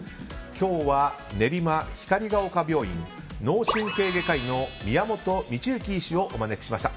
今日は練馬光が丘病院脳神経外科医の宮本倫行医師をお招きしました。